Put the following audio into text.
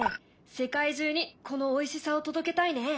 世界中にこのおいしさを届けたいね。